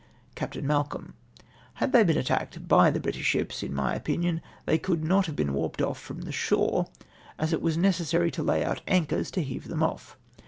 " Capt. Malcolm, —" Had they been attacked by the British ships, in my opinion ilLey could not have been vjarped of from the shore, as it was necessary to lay out ancJiors to heave them off.